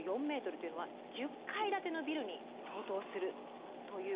３４ｍというのは１０階建てのビルに相当するということなんで。